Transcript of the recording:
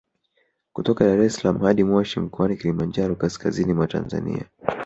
Kutoka Dar es salaam hadi Moshi mkoani Kilimanjaro kaskazini mwa Tanzania